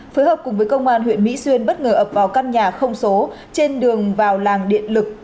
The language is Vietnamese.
phối hợp cùng với công an huyện mỹ xuyên bất ngờ ập vào căn nhà không số trên đường vào làng điện lực